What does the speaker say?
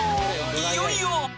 いよいよ！